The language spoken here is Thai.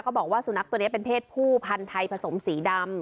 บอกว่าสุนัขตัวนี้เป็นเพศผู้พันธุ์ไทยผสมสีดำ